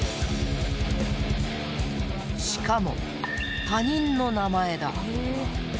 しかも、他人の名前だ。